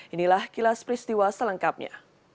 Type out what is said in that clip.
inilah kilas peristiwa selengkapnya